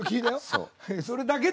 それだけ。